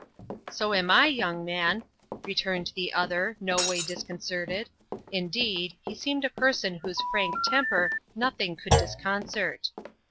"So am I, young man," returned the other, no way disconcerted; indeed, he seemed a person whose frank temper nothing could disconcert.